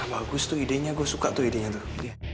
bagus tuh idenya gue suka tuh idenya tuh